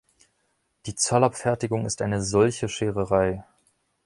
Die Zollabfertigung ist eine solche Schererei.